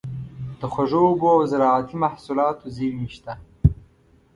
د خوږو اوبو او زارعتي محصولاتو زیرمې شته.